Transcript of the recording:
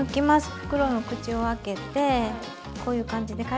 袋の口を開けてこういう感じで軽くやさしく。